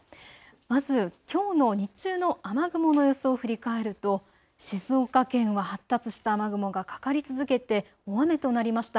まずきょうの日中の雨雲の様子を振り返ると静岡県は発達した雨雲がかかり続けて大雨となりました。